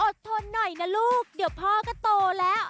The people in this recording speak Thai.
ทนหน่อยนะลูกเดี๋ยวพ่อก็โตแล้ว